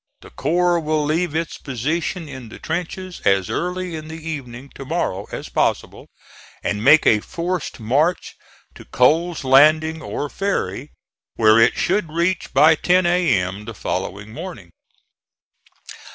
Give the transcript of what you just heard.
The corps will leave its position in the trenches as early in the evening, tomorrow, as possible, and make a forced march to Cole's Landing or Ferry, where it should reach by ten A.M. the following morning.